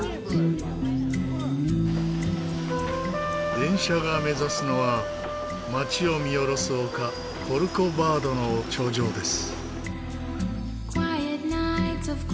電車が目指すのは街を見下ろす丘コルコヴァードの頂上です。